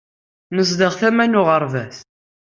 Nezdeɣ tama n uɣerbaz.